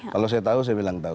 kalau saya tahu saya bilang tahu